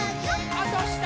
あ、どした！